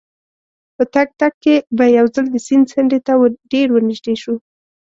په تګ تګ کې به یو ځل د سیند څنډې ته ډېر ورنژدې شوو.